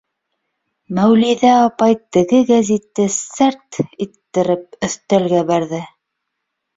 — Мәүлиҙә апай теге гәзитте сәрт иттереп өҫтәлгә бәрҙе.